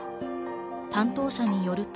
担当者によると。